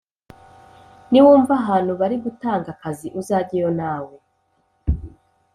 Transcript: Niwumva ahantu bari gutanga akazi uzajyeyo nawe